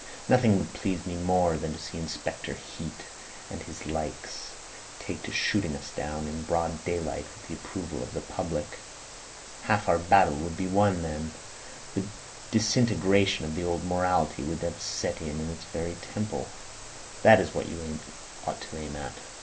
Nothing would please me more than to see Inspector Heat and his likes take to shooting us down in broad daylight with the approval of the public. Half our battle would be won then; the disintegration of the old morality would have set in in its very temple. That is what you ought to aim at.